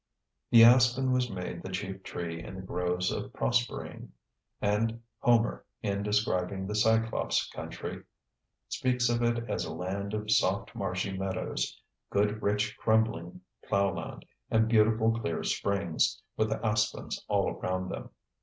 The aspen was made the chief tree in the groves of Proserpine. And Homer, in describing the Cyclops' country, speaks of it as a land of soft marshy meadows, good rich crumbling plow land, and beautiful clear springs, with aspens all around them.